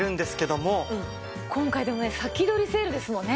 今回でもね先取りセールですもんね。